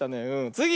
つぎ！